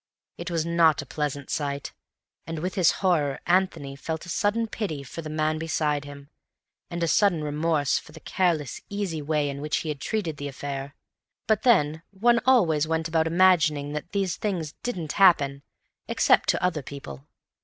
It was not a pleasant sight, and with his horror Antony felt a sudden pity for the man beside him, and a sudden remorse for the careless, easy way in which he had treated the affair. But then one always went about imagining that these things didn't happen—except to other people.